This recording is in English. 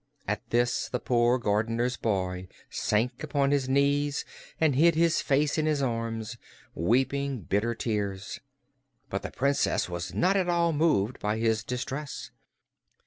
At this the poor gardener's boy sank upon his knees and hid his face in his arms, weeping bitter tears; but the Princess was not at all moved by his distress.